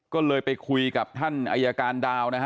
ก็เลยไปคุยกับท่านอายการดาวนะฮะ